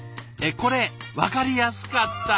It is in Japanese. これ分かりやすかった！